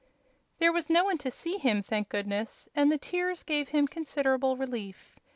There was no one to see him, thank goodness! and the tears gave him considerable relief.